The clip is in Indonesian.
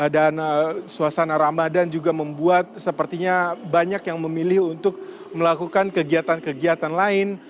dan suasana ramadan juga membuat sepertinya banyak yang memilih untuk melakukan kegiatan kegiatan